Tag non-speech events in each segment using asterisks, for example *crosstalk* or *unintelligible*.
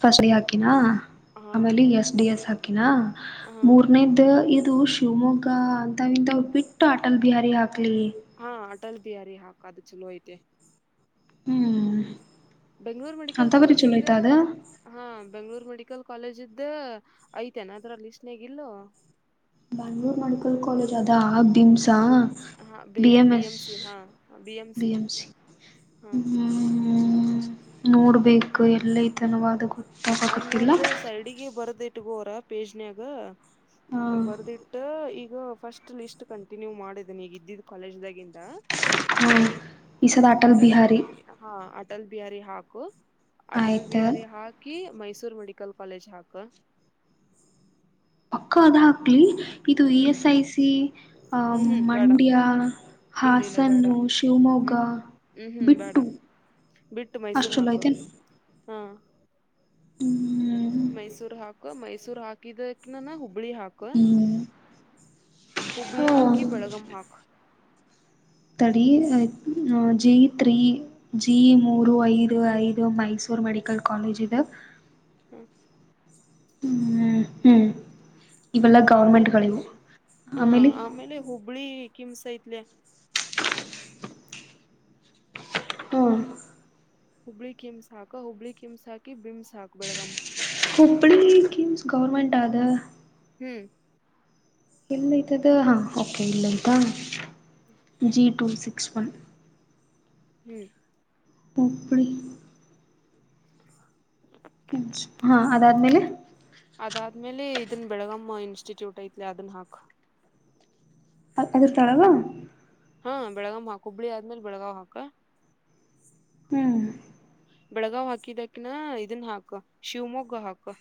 ಫಸಲಿ ಹಾಕಿನಾ. ಹಾ ಆಮೇಲೆ ಎಸ್ ಡಿ ಎಸ್ ಹಾಕಿನ ಹಾ ಮೂರ್ನೇದ್ ಅದು ಶಿವಮೊಗ್ಗ ಅಂತಾವ್ ಇಂತಾವ್ ಬಿಟ್ಟ್ ಅಟಲ್ ಬಿಹಾರಿ ಹಾಕ್ಲಿ ಹಾ ಅಟಲ್ ಬಿಹಾರಿ ಹಾಕ್ ಅದು ಚಲೋ ಐತೆ ಹ್ಮ್ ಬೆಂಗ್ಳೂರ್ ಮೆಡಿಕಲ್ ಅಂತ ಬರಿ ಕಾಲೇಜ ಚಲೋ ಇದ್ದ ಐತ ಅದ ಹಾ ಬೆಂಗ್ಳೂರ್ ಮೆಡಿಕ ಮೆಡಿಕಲ್ ಕಾಲೇಜ ಇದ್ದ ಐತೆನ್ ಅದರ ಲಿಸ್ಟನ್ಯಾಗ ಇಲ್ಲೋ ಬ್ಯಾಂಗ್ಳೂರ್ ಮೆಡಿಕಲ್ ಕಾಲೇಜ್ ಅದಾ BIMS B M S B A C ಹಾ ಹ್ಮ್ಮ ನೋಡ್ಬೇಕು ಎಲ್ಲಯ್ಯತನವ ಅದು ಗೊತ್ತ್ ಅನ್ನೊಂದು ಸೈಡಿಗೆ ಬರ್ದ ಇಟ್ಗೋರ ಪೇಜ್ನ್ಯಾಗ ಹಾ ಬರ್ದಿಟ್ಟ್ ಈ ಇದು ಫಸ್ಟ್ ಲಿಸ್ಟ್ ಕಂಟಿನ್ಯೂ ಮಾಡಿದನ್ ಈಗ ಇದ್ದಿದ್ದ್ ಕಾಲೇಜ್ದಾಗಿಂದ ಹ್ಮ ಈ ಸಲ ಅಟಲ್ ಬಿಹಾರಿ ಅಟಲ್ ಬಿಹಾರಿ ಹಾಕು ಅಟಲ್ ಆಯ್ತ ಬಿಹಾರಿ ಹಾಕ್ ಈ ಮೈಸೂರ್ ಮೆಡಿಕಲ್ ಕಾಲೇಜ್ ಹಾಕ ಪಕ್ಕ ಅದ ಹಾಕ್ಲಿ ಇದು E hmm S I C ಆ ಹ್ಮ್ ಬೇಡ ಮಂಡ್ಯ ಇಲ್ಲ ಇಲ್ಲ ಬೇಡ ಹಾಸನ್ನು ಶಿವಮೊಗ್ಗ ಬಿಟ್ಟು ಬಿಟ್ಟ್ ಅಷ್ಟು ಮೈಸೂರು ಚಲೋ ಹಾಕ್ ಐತೆೇನ್ ಹ್ಮ್ ಮೈಸೂರ್ ಹಾಕು ಮೈಸೂರ್ ಹಾಕಿದಕ್ನನ ಹು ಹುಬ್ಳಿ ಹಾಕ್ ಹ್ಮ್ ಹುಬ್ಳಿ ಹಾಕಿ ಬೆಳಗಂ ಹಾಕ್ ತಡಿ ಜಿ ತ್ರೀ ಜಿ ಮೂರು ಐದು ಐದು ಮೈಸೂರ್ ಮೆಡಿಕಲ್ ಕಾಲೇಜ್ ಇದೆ ಹ್ಮ ಹ್ಮ್ ಹ್ಮ್ ಇವೆಲ್ಲ ಆಮೇಲೆ ಗೌರ್ಮೆಂಟ್ಗಳಿವು ಹಾ ಆಮೇಲೆ ಹುಬ್ಳಿ ಕಿಮ್ಸ್ ಐತ್ಲೇ ಹುಬ್ಬಳಿ ಕಿಮ್ಸ್ ಹಾಕ ಹುಬ್ಳಿ ಕಿಮ್ಸ್ ಹಾಕಿ ಬಿಮ್ಸ್ ಹಾಕ ಬೆಳಗಾಮ್ ಹುಬ್ಳಿ ಕಿಮ್ಸ್ ಗೌರ್ಮೆಂಟ್ ಆ ಅದ್ ಹ್ಮ್ ಎಲ್ಲಯ್ಯತದ್ ಹಾ ಓಕೆ ಇಲ್ಲ್ಯಯ್ತಾ ಜಿ ಟು ಸಿಕ್ಸ್ ಒನ್ ಹ್ಮ್ ಹುಬ್ಳಿ ಹಾ ಅದಾದ್ಮೇಲೆ ಅದಾದ್ಮೇಲೆ ಇದನ್ ಬೆಳಗಮ್ಮ ಇನ್ಸ್ಟಿಟ್ಯೂಟ್ ಐತ್ಲಿ ಅದನ್ ಹಾಕ ಅದ ತಳವಾ ಹಾ ಬೆಳಗಾವ್ ಹಾಕ್ ಹುಬ್ಬಳಿ ಆದ್ಮೇಲ್ ಬೆಳಗಾವ್ ಹಾಕ ಹ್ಮ್ ಬೆಳಗಾವ್ ಹಾಕಿದಕನಾ ಇದನ್ ಹಾಕ ಶಿವಮೊಗ್ಗ ಹಾಕ ಹ್ಮ್ಮ್.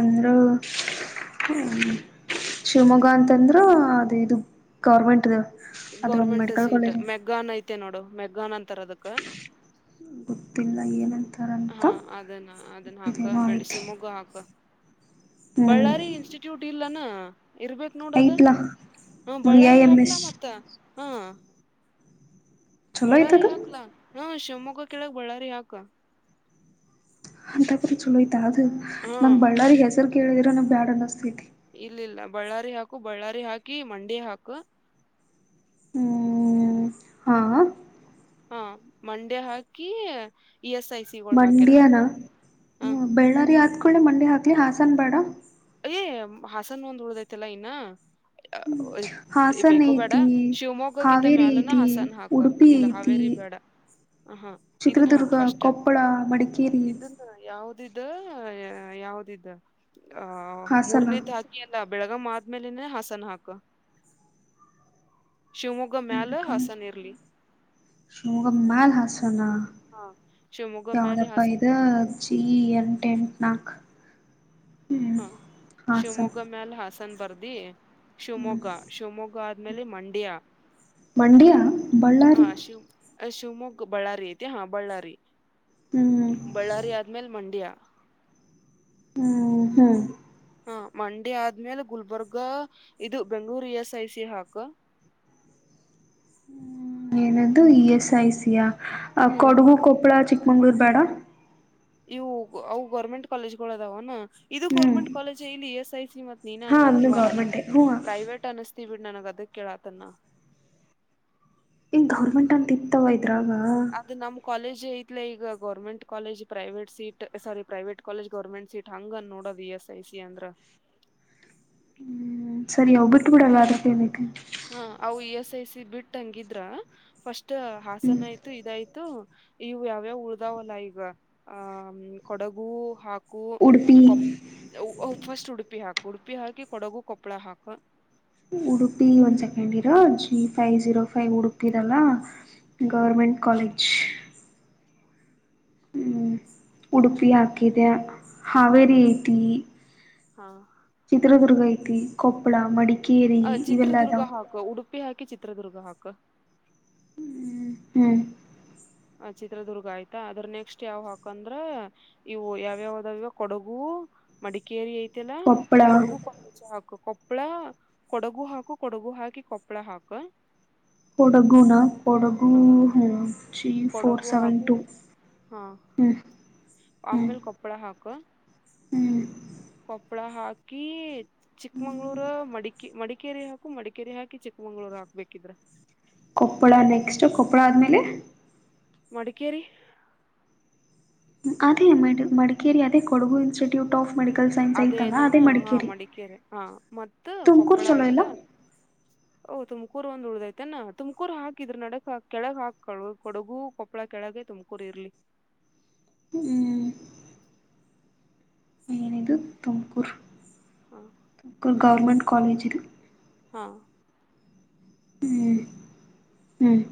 ಅಮರ ಹ್ಮ ಶಿವಮೊಗ್ಗ ಅಂತಂದ್ರ ಅದು ಇದು ಗೌರ್ಮೆಂಟ್ ಗೌರ್ಮೆಂಟ್ ಸೀಟ್ ಮೆಗ್ಗಾನ್ ಐತೆ ನೋಡು ಮೆಗ್ಗಾನ್ ಅಂತಾರ ಅದಕ್ಕ ತ್ತಿಲ್ಲ ಏನಂತ ಹಾ ಅದನ್ನ ಅದನ್ನ ಹಾಕ ಬೇಡ್ ಐತಿ ಶಿಮೊಗ್ಗ ಹಾಕ ಹ್ಮ್ ಬಳ್ಳಾರಿ ಇನ್ಸ್ಟಿಟ್ಯೂಟ್ ಇಲ್ಲನಾ ಇರ್ಬೇಕ ನೋಡದ ಐತ್ಲಾ ಹ ವಿ ಐ ಬಳ್ಳಾರಿ ಎಂ ಹಾಕ್ಲಾ ಎಸ್ ಮತ್ತ ಹಾ ಚಲೋ ಬಳ್ಳಾರಿ ಐತದು ಹಾಕ್ಲ ಹ ಶಿವಮೊಗ್ಗ ಕೆಳಗ್ ಬಳ್ಳಾರಿ ಹಾಕ ಅಂತಕ್ರ ಚಲೋಯ್ತಾ ಅದು ಹಾ ನಂಗೆ ಬಳ್ಳಾರಿ ಹೆಸರು ಕೇಳಿದ್ರಗೆ ಬ್ಯಾಡ್ ಅನ್ನಿಸ್ತೈತಿ ಇಲ್ಲ ಇಲ್ಲ ಬಳ್ಳಾರಿ ಹಾಕು ಬಳ್ಳಾರಿ ಹಾಕಿ ಮಂಡಿ ಹಾಕು ಹ್ಮ್ ಹಾ ಹಾ ಮಂಡೆ ಹಾಕಿ ಇ ಎಸ್ ಐ ಸಿ ಗಳು ಹಾಕೆರಡ ಮಂಡ್ಯನ ಹ ಬಳ್ಳಾರಿ ಹತ್ಕೊಳ್ಳಿ ಮಂಡಿ ಹಾಕ್ಲಿ ಹಾಸನ್ ಬೇಡ ಏ ಹಾಸನ್ ಒಂದ್ ಉಳ್ದೈತಲ್ಲಾ ಇನ್ನ ಹಾಸನ ಬೇಕೋ ಬೇಡ ಐತಿ ಶಿವಮೊಗ್ಗಕ್ಕಿಂತ ಹಾವೇರಿ ಮ್ಯಾಲನ ಐತಿ ಹಸನ ಹಾಕ ಉಡುಪಿ ಇಲ್ಲ ಐತಿ ಹಾವೇರಿ ಬೇಡ ಹ ಇದನ್ನ ಹಾಕ್ ಚಿತ್ರದುರ್ಗ ಫಸ್ಟ್ ಕೊಪ್ಪಳ ಮಡಿಕೇರಿ ಇದನ್ನ ಯಾವದ ಇ ಯಾವ್ದ ಇದ ಆ ಹಾಸನ ಮೂರನೇದ ಹಾಕಿ ಎಲ್ಲ ಬೆಳಗ ಆದ್ಮೇಲೆನೆ ಹಾಸನ್ ಹಾಕ ಶಿವಮೊಗ್ಗ ಮ್ಯಾಲ ಅಕ ಹಾಸನ್ ಇರ್ಲಿ ಶಗ ಮಲ್ ಹಾಸಣ ಹಾ ಶಿವಮೊಗ್ಗ ಮ್ಯಾಲೆ ಯಾವ್ದಪ್ಪ ಹಾಸನ್ ಇದ ಜಿ ಎರಡು ಟೆ ನಾಗ ಹ ಶಿವಮೊಗ್ಗ ಮ್ಯಾಲ ಹಾಸನ್ ಬರ್ದಿ ಹ್ಮ್ ಶಿವಮೊಗ್ಗ ಶಿವಮೊಗ್ಗ ಆದ್ಮೇಲೆ ಮಂಡ್ಯ ಮಂಡ್ಯ ಹಾ ಬಳ್ಳಾರಿ ಶ ಶಿವಮೊಗ್ಗ ಬಳ್ಳಾರಿ ಐತಿ ಹಾ ಬಳ್ಳಾರಿ ಹ್ಮ್ ಬಳ್ಳಾರಿ ಆದ್ಮೇಲ್ ಮಂಡ್ಯ ಹ್ಮ ಹ್ಮ ಹಾ ಮಂಡೆ ಆದ್ಮೇಲೆ ಗುಲ್ಬರ್ಗ ಇದು Bengaluru E S I C ಹಾಕ ಏನದು ಇ ಎಸ್ ಐ ಸಿಿಯ ಹ್ಮ್ ಕೊಡುಗು ಕೊಪ್ಪಳ ಚಿ ಮಂಗ್ಗಳೂರು ಬೇಡ ಇವು ಅವು ಗೌರ್ಮೆಂಟ್ ಕಾಲೇಜ್ಗಳು ಅದಾವಣ ಇದು ಹ್ಮ್ ಗೌರ್ಮೆಂಟ್ ಕಾಲೇಜ ಇಲ್ಲಿ ಎಸ್ ಐ ಮತ್ ನೀನೇ ಹಾ ಅದನ್ನು ಅನ್ನತ್ತವ ನನಗ್ ಗೌರ್ಮೆಂಟೇ ಹ್ಞೂ ಪ್ರೈವೇಟ್ ಅನ್ನತ ಬಿಟ್ಟ ನನಗ್ ಅದ ಕೇಳಾತನ್ನ ಇನ್ ಗೌರ್ಮೆಂಟ್ ಅಂತ ಇತ್ತವ ಇದ್ರಾಗ ಅದ್ ನಮ್ ಕಾಲೇಜ್ ಐ್ಲೆ ಈಗ government college private seat sorry private college government seat ಹಂಗ ನೋ ಎಸ್ ಐ ಸಿ ಅಂದ್ರ ಹ್ಮ್ ಸರಿ ಒಬ್್ಬಟ್ಟು ಬಿೂಡ ಎಲ್ಲತಕ್ಕೆ ಹ ಅವು ಇ ಎಸ್ ಐ ಸಿ ಬಿಟ್ಟ ಹಂಗಿದ್ರ ಫಸ್ಟ್ ಹಾಸನ ಆಯ್ತು ಇದಾಯ್ತು ಇವು ಯಾವ್ಯಾವ ಉಳ್ದಾವಲ್ಲ ಈಗ ಆ ಕೊಡಗು ಹಾಕ ಉಡುಪಿ ಫಸ್ಟ್ ಉಡುಪಿ ಹಾಕು ಉಡುಪಿ ಹಾಕಿ ಕೊಡಗು ಕೊಪ್ಪಳ ಹಾಕ ಉಡುಪಿ ಒಂದ್ ಸೆಕೆಂಡ್ ಇರೋ G five zero five Udupi ಇದಲ್ಲ ಹ್ಮ್ ಗೌರ್ಮೆಂಟ್ ಕಾಲೇಜ್ ಹ್ಮ್ ಉಡುಪಿ ಹಾಕಿದ ಹಾವೇರಿ ಹ್ಮ್ ಐತಿ ಹಾ ಚಿತ್ರದುರ್ಗ ಐತಿ ಕೊಪ್ಪಳ ಮಡಿ ಕೀರಿ ಇವೆಲ್ಲಾದಾ ಉಪ್ಪಿ ಹಾಕಿ ಚಿತ್ರದುರ್ಗ ಹಾಕ ಹ್ಮ್ ಆ ಚಿತ್ರದುರ್ಗ ಆಯ್ತಾ ಅದ್ರ ನೆಕ್ಸ್ಟ್ ಯಾವ ಹಾಕಂದ್ರ ಇವು ಯಾವ್ಯಾವ್ದಾವ ಕೊಡಗು ಮಡಿಕೇರಿ ಐತೆಲ್ಲ ಕೊಪ್ಪಳ ಕೊಡುಗು ಕೊಕ ಕೊಪ್ಪಳ ಕೊಡಗು ಹಾಕು ಕೊಡಗು ಹಾಕಿ ಕೊಪ್ಪಳ ಹಾಕ ಕೊಡಗುನಾ ಕೊಡಗು ಹ ತ್ರೀ ಫೋರ್ ಕೊಡಗು ಸೆವೆನ್ ಹಾಕು ಟು ಹ್ಞೂ ಆಮೇಲೆ ಕೊಪ್ಪಳ ಹಾಕ ಹ್ಮ್ ಕೊಪ್ಪಳ ಹಾಕ್ ಿ ಚಿಕ್ಮಂಗ್ಗಳೂರ ಮಡಿಕಿ ಮಡ ಮಡಿಕೇರೆ ಹಾಕು ಮಡಿಕೇರಿ ಹಾಕಿ ಚಿಕ್ಕಮಂಗಳರ್ ಹಾಕ್ಬೇಕಿದ್ರ ಕೊಪ್ಪಳ ನೆಕ್ಸ್ಟು ಕೊಪ್ಪಳ ಆದಮೇಲೆ ಮಡಿಕೇರಿ ಅದೇ ಮ ಮಡಿಕೇರಿ ಅದೇ ಕೊಡಗು ಇನ್ಸ್ಟಿಟ್ಯೂಟ್ ಫ್ ಅದೇ ನಾನ ಹಾ ಮಡಿಕೇರೆ ಹಾ ಮತ್ತ ತುಮಕೂರು ಕೊಪ್ಪಳ ಚಲೋ ಆಯ್ತ ಇಲ್ಲ ಓಹ ತುಮಕೂರು ಒಂದ್ ಉಳ್ದಯತನಾ ತಮಕೂರು ಹಾಕಿದ್ರ್ ನಡಕ್ ಕೆಳಗ್ ಹಾಕಳು ಕೊಡಗು ಕೊಪ್ಪಳ ಕೆಳಗ ಹಾಗೆ ತುಮಕೂರಿ ಇರ್ಲಿ ಹ್ಮ್ ಏನಿದು ಹ ತುಕೂರ್ ಗೌರ್ಮೆಂಟ್ ಕಾಲೇಜ್ ಇದು ಹಾ ಹ್ಮ್ ಹ್ಮ್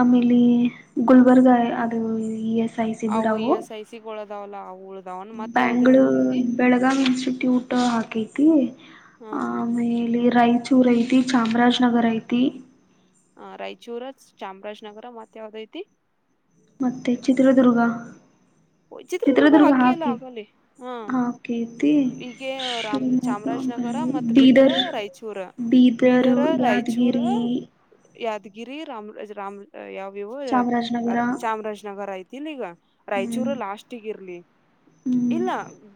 ಆಮೇಲಿ ಗುಲ್ಬರ್ಗಾ ಅದು ಐ ಸಿ ಅವ ಇ ಬಿಡವು ಎಸ್ ಐ ಸಿಗ್ ಉಳದಾವಲ್ಲಾ ಅವು ಉಳ್ದಾವನ್ ಮತ್ ಯಾವ್ದ ಯಾವ್ದ್ ಉಳತಿ ಟ್ಟಿ ಊಟ ಹಾಕೈತಿ ಹಾ ಆ ಆಮೇಲೆ ರಾಯಚೂರುಐತಿ ಚಾಮರಾಜ್ನಗರಐ ಹ ರಾಯಚೂರು ಚಾಮರಾಜನಗರ ಮತ್ತ ಯಾವ್ದತಿ ಮತ್ತೆ ಚಿತ್ರದುರ್ಗ ಚಿತ್ರದುರ್ಗ ಹಾಕಿ ಎಲ್ಲ ಹಾಕೆ ಆಗಲ್ಲಿ ಹಾ ಹಾಕಐತಿ ಈಗೆ ರಾಮ್ ಚಾಮರಾಜನಗರ ಮತ್ ಬಿಟ್ರ ಬೀದರ್ ರಾಯಚೂರ ಬೀದರ್ ಬೀದರ ರಾಯಚೂರ ಯಾದಗಿರಿ ಯಾದಗಿರಿ ರಾಮರಾಜ ರ ಯಾವ ಚಾಮರಾಜನಗರ ಚಾಮರಾಜನಗರ ಐತಿ ಈಗ ರ ಚೂರ ಹ್ಮ್ ಲಾಸ್ಗ ಇರ್ಲಿ ಹ್ಮ್ ಇಲ್ಲ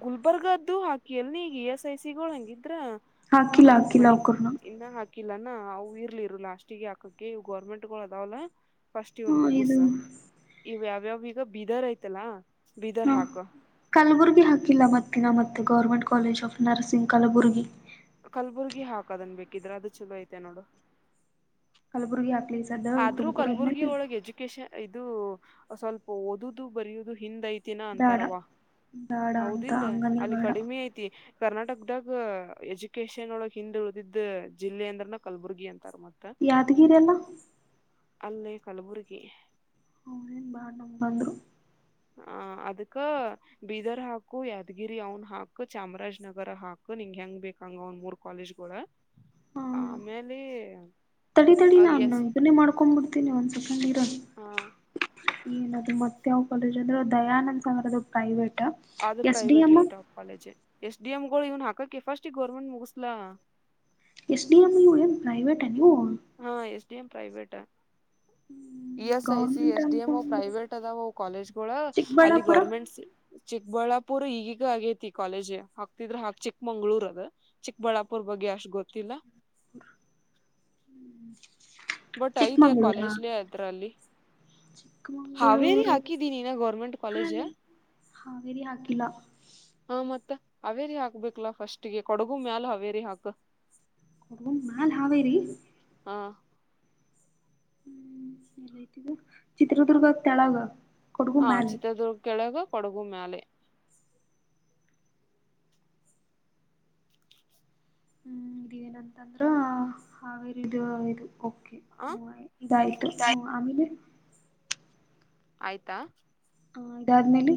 ಗುಲ್ಬರ್ಗ ಇದು ಹಾಕಿ ಅಲ್ಲ ನೀ ಈಗ ಇ ಎಸ್ ಐ ಸಿಗಳು ಹಂಗಿದ್ರ ಹಾಕಿಲ್ಲ ಹಾಕಿಲ್ಲ ಅವಕೂರ್ಣ ಹಾಕಿಲ್ಲನಾ ಅವು ಇರ್ಲಿ ಇರು ಲಾಸ್ಟಿಗೆ ಆಕಕ್ಕೆ ಗರ್ಮೆಂಟ್ ಗಳು ಅದಾವಲ್ಲ ಫಸ್ಟ್ ಹಾ ಇವ್ನ್ ಮುಗುಸ ಇದು ಇವ ಯಾವ್ಯಾವೀಗ ಬೀದರ್ ಐ್ತಲ್ಲಾ ಹಾ ಕಲ್ಬುರ್ಗಿ ಹಾಕಿಲ್ಲ ಮತ್ತಿನ ಮತ್ತ government college of nursing Kalaburagi Kalaburagi ಹಾಕದನ್ ಬೇಕಿದ್ರೆ ಅದು ಚಲೋ ಐತೆ ನೋಡು ಕಲ್ಬುರ್ಗಿ ಆಗ್ತ ಆದ್ರೂ ಕಲಬುರ್ಗಿ ಒಳಗ್ ಎಜುಕೇಶನ್ ಐತಿ ಸ್ವಲ್ಪ ಓದದು ಬರಯುವುದು ಹಿಂದ್ಯ್ತ ದಿನ ಬೇಡ ಅಂತಾರವಾ ಬೇಡ ಅಂತ ಹೌದಿಲ್ಲ ಹಂಗಂದ್ರೆ ಅಲ್ಲಿ ಬೇಡ ಕಡಿಮೆ ಐತಿ ಕರ್ನಾಟಕದಾಗ ಎಜುಕೇಶನ್ ಒಳಗ್ ಹಿಂದ್ ಉಳ್ದಿದ್ದ ಜಿಲ್ಲೆ ಅಂದ್ರನ ಕಲಬುರ್ಗಿ ಅಂತ ಯಾದಗಿರಿ ಎಲ್ಲ ಅಲ್ಲೇ ಕಲಬುರ್ಗಿ ಹನೇನ್ ಬಾಳ್ ನಮ ಬಂದ್ರು ಹ ಅದಕ್ಕ ಬೀದರ್ ಹಾಕು ಯಾದಗಿರಿ ಅವನ್ ಹಾಕು ಚಾಮರಾಜನಗರ ಹಾಕು ನಿಂಗ ಹೆಂಗ್ ಬೇಕಂಗ ಒಂದ್ ಮೂರ್ ಕಾಲೇಜುಗಳ ಹಾ ತಡಿ ತಡಿ ನು ಎಸ್ ಇದನ್ನೇ ಮಾಡ್ಕೊಂಡ್ಬಿಡ್ತೀನಿ ಒಂದ್ ಸೆಕೆಂಡ್ ಇರು ಹ ಏನದು ಮತ್ತೆ ಯಾವ್ ಕಾಲೇಜ್ ಅಂದ್ರೆ ದಯಾನಂದ್ ಸಂಗರ್ ಅದು ಪ್ರೈವೇಟ್ ಅದು S D private M late of college ಎಷ್ಟು ಡಿ ಎಮ್ ಗಳು ಇವನ್ ಹಾಕಕೆಫಾಸ್ಟಿ ಗೋರ್ಮೆಂಟ್ ಮುಗಿಸಸ್ಲ S D M U A private ಅನು ಹಾ ಎಸ್ ಡಿ ಎಂ ಪ್ರೈವಟಾ E S I C government S D M ಅನ್ಕೊಂಡ್ರೆ ಪ್ರೈವೇಟ್ ಅದಾವ ಕಾಲೇಜ್ಗಳ ಅಲ್ಲಿ ಚಿಕ್ಕಬಳ್ಳಾಪುರ ಗೌರ್ಮೆಂಟ್ ಸಿ ಚಿಕ್ಬಳ್ಳಾಪುರ್ ಈಗೀಗ ಆಗೇತಿ ಕಾಲೇಜ್ ಹಾಕ್ತಿದ್ರ ಚಿಕ್ಕಮಂಗ್ಳೂರ್ ಅದ ಚಿಕ್ಕಬಳ್ಳಾಪುರ್ ಬಗ್ಗೆ ಅಷ್ಟು ಗೊತ್ತಿಲ್ಲ ಹ ಬಟ್ ಐತಿ ಚಿಕ್ಕಮಂಗ್ಳೂರಾ ಕಾಲೇಜ್ಲೆ ಅದ್ರಲ್ಲಿ ಹಾವೇರಿ ಚಿಕ್ಕಮಂಗಳೂರು ಹಾಕಿದೀನಿಿನ ಗೌರ್ಮೆಂಟ್ ಕಾಲೇಜ ಹಾಲೆ ಹಾವೇರಿ ಹಾಕಿಲ್ಲಾ ಹ ಮತ್ತ ಹಾವೇರಿ ಹಾಕ್ಬೇಕಲಾ ಫಸ್ಟ್ ಗೆ ಕೊಡಗು ಮ್ಯಾಲ ಹಾವೇರಿ ಹಾಕ್ ಹ ನಲ್ ಹಾವೇರಿ ಹಾ ಹ್ಮ್ ಎಲ್ಐಟಿದು ಚಿತ್ರದುರ್ಗ ತೆಳಗ ಕೊಡಗು ಹ ಮ್ಯಾಲ ಚಿತ್ರದುರ್ಗ ಕೆಳಗ ಕೊಡಗು ಮ್ಯಾಲೆ ಹ್ಮ್ ಇದ ಏನಂತಂದ್ರ ಹಾಗೇ ಇದು ಇದು ಆ ಹ ಇದಾಯತು ಹ್ಮ ಆಮೇಲೆ ಆಯ್ತಾ ಹ ಇದಾದ್ಮೇಲೆ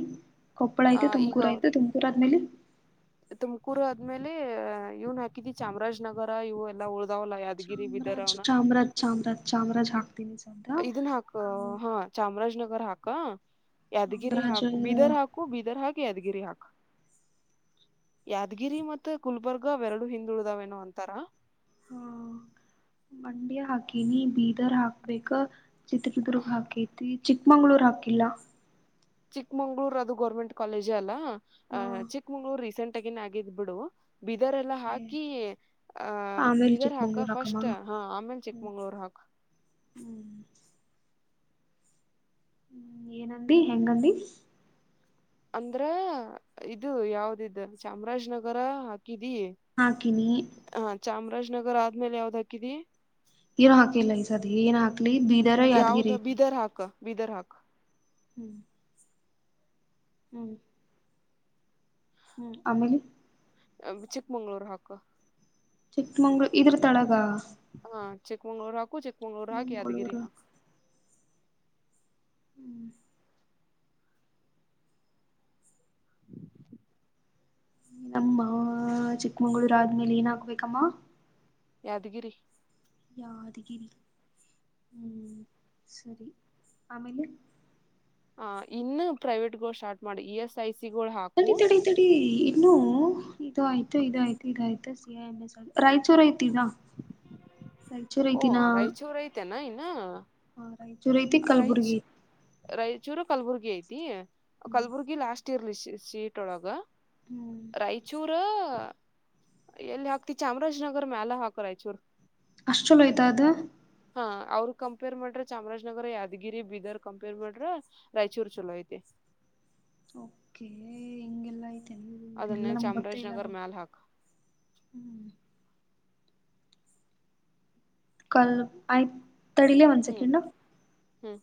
ಕೊಪ್ಪಳ ಆ ಆಯ್ತು ತುಮಕೂರು ಆಯ್ತು ತುಮಕೂರು ಆದ್ಮೇಲೆ ತುಮಕೂರ್ ಆದ್ಮೇಲೆ ಅಹ ಇವ್ನ್ ಹಾಕಿದಿ ಚಾಮರಾಜನಗರ ಇವು ಎಲ್ಲಾ ಉಳ ಚಾಮರಾಜ ಚಾಮರಾಜ ಚಾಮರಾಜ ಚಾಮರಾಜ ಹಾಕ್ತೀನ ಇದನ್ ಹಾಕ ಹಾ ಚಾಮರಾಜನಗರ್ ಹಾಕ ಯಾದಗಿರಿ ಚಾಮರಾಜ ಹಾಕ ಬೀದರ್ ಹಾಕು ಬೀದರ್ ಹಾಕ್ ಯಾದ್ಗಿರಿ ಹಾಕು ಯಾದಗಿರಿ ಮತ್ತು ಗುಲ್ಬರ್ಗಾ ಎರಡು ಹಿಂದುಳಿದವೇನು ಅಂತರ ಹಾ ಮಂಡಿ ಹಾಕಿನಿ ಬೀದರ್ ಹಾಕ್ಬೇಕ ಚಿತ್ರದುರ್ಗ ಹಾಕೈತಿ ಚಿಕ್ಕಮಂಗ್ಳೂರ್ ಹಾಕಿಲ್ಲ ಚಿಕ್ಮಂಗ್ಳೂರ್ ಅದು ಗೌರ್ಮೆಂಟ್ ಕಾಲೇಜೆ ಅಲ್ಲ ಅ ಹಾ ಚಿಕ್ಕಮಂಗ್ಳೂರ್ ರೀಸೆಂಟ್ ಒಟ್ಟಗನ್ ಆಗಿದ್ ಬಿಡು ಬೀದರ್ ಎಲ್ಲ ಹಾಕಿ ಆಹ ಆಮೇಲೆ ಬೀದರ್ ಹಾಕ ಚಿಕ್ಕಮಂಗ್ಳೂರ್ ಹಾಕಮ್ಮ ಫಸ್ಟ್ ಹ ಆಮೇಲೆ ಚಿಕ್ಕಮಂಗಳೂರು ಹಾಕ ಹ್ಮ್ ಹ್ಮ್ ಏನಂದ ಹೆಂಗಂದಿ ಅಂದ್ರ ಇದು ಯಾವ್ದಿದ ಚಾಮರಾಜನಗರ ಹಾಕಿದಿ ಹಾಕಿನಿ ಹ ಚಾಮರಾಜನಗರ ಆದ್ಮೇಲೆ ಯಾವ್ದ್ ಹಾಕಿದಿ ಏನ್ ಹಾಕಿಲ್ಲ ಈ ಸದ ಏನ್ ಹಾಕ್ಲಿ ಬೀದರ ಯಾದ್ಗಿರಿ ತಿ ವಿದರ್ಹಾಗ ಹ್ಮ್ ಹ್ಮ್ ಹ್ಮ್ ಆಮೇಲೆ ಚಿಕ್ಕಮಂಗ್ಳೂರು ಹಾಕ ಚಿಕ್ಕಮಂಗ್ಳೂರು ಇದ್ರ ತಳಗ ಚೆಕ್ಮಂಗ್ಳೂರು ಹಾಕು ಚೆಕ್ಮಂಗ್ಳೂರು ಹಾಕಕ್ ಯಾದಗಿರಿ ಮಂಗಳೂರು ಹಾಕ್ ಹ್ಮ್ ನಮ್ಮ ಚಿಕ್ಕಮಂಗಗಳೂರ್ ಆದ್ಮೇಲೆ ಏನ್ ಹಾಕ್ಬೇಕಮ್ಮ ಯಾದಗಿರಿ ಯಾದಗಿರಿ ಹ್ಮ್ ಸರಿ ಆಮೇಲೆ ಹ ಇನ್ನು ಪ್ರೈವೇಟ್ಗೋ ಸ್ಟಾರ್ಟ್ ಮಾಡಿ ಇ ಎಸ್ ಐ ಸಿ ಅಡೆತಡೆ ತಡೆ ಇನ್ನು ಇದು ಆಯ್ತು ಇದ ಆಯ್ತು ಇದಯ್ತು ಸಿ ಎ ಎ ರಾಯಚೂರು ಐತಿನಾ ಹ *unintelligible* ಓ ರಾಯಚೂರು ಆಯಿತೇನ ಇನ್ನ ಹ ರಾಯಚೂರ್ ಐತಿ ಕಲ್ಬುರ್ಗಿ ರಾಯಚೂರು ರಾಯಚೂರು ಕಲಬುರ್ಗಿ ಐತಿ ಹ್ಮ್ ಕಲ್ಬುರ್ಗಿ ಲಾಸ್ಟ್ ಇರ್ಲಿ ಸೀಟ್ ಒಳಗ ಹ್ಮ್ ರಾಯಚೂರು ಎಲ್ಲಿ ಹಾಕ್ತಿ ಚಾಮರಾಜನಗರ ಮ್ಯಾಲ ಹಾಕು ರಾಯಚೂರ್ ಅಷ್ಟ ಚಲೋಆಯ್ತಾ ಅದು ಹಾ ಅವ್ರ ಕಂಪೇರ್ ಮಾಡ್ರೆ ಚಾಮರಾಜನಗರ ಯಾದಗಿರಿ ಬೀದರ್ ಕಂಪೇರ್ ಮಾಡ್ರ ರಾಯಚೂರ್ ಚಲೋ ಐತಿ ಹ *inaudible* ಓಕೆ ಹೆಂಗೆಲ್ಲಾ *unintelligible* ಇ ಎಲ್ಲ ಅದನ್ನ ನಮ್ಮ್ಗ ಗೊತ್ತೇ ಇಲ್ಲ ಚಾಮರಾಜನಗರ್ ನೋಡು ಮ್ಯಾಲ ಹಾಕ್ ಹ್ಮ್ ಕಲ್ ಆಯ್ ತಡಿಲ ಒನ್ ಹ್ಮ್ ಸೆಕೆಂಡ್ ಹ್ಮ್